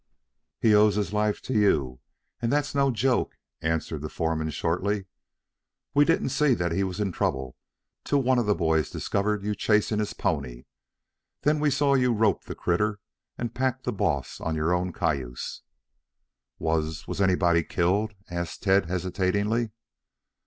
"He owes his life to you, and that's no joke," answered the foreman shortly. "We didn't see that he was in trouble till one of the boys discovered you chasing his pony. Then we saw you rope the critter and pack the boss on your own cayuse." "Was was anybody killed?" asked Tad hesitatingly.